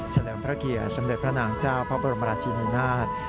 แฉลงพระเกียร์เสมือพระนางเจ้าพระบรมราชินินาท